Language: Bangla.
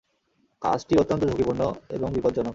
কাজটি অত্যন্ত ঝুঁকিপূর্ণ এবং বিপদজনক।